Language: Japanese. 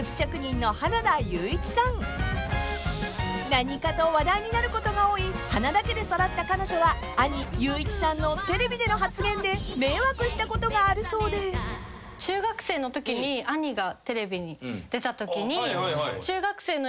［何かと話題になることが多い花田家で育った彼女は兄優一さんのテレビでの発言で迷惑したことがあるそうで］中学生のときに兄がテレビに出たときに。